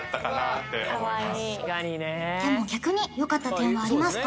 確かにねでも逆に良かった点はありますか？